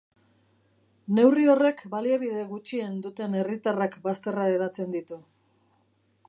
Neurri horrek baliabide gutxien duten herritarrak bazterreratzen ditu.